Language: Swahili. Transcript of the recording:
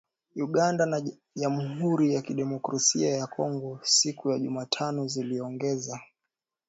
Uganda na Jamhuri ya Kidemokrasi ya Kongo siku ya Jumatano ziliongeza